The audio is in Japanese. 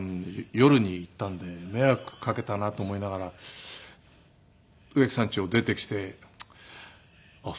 夜に行ったんで迷惑かけたなと思いながら植木さん家を出てきてあっ